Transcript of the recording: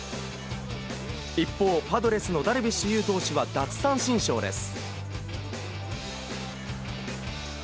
一方、パドレスのダルビッシュ有投手は奪三振ショーです。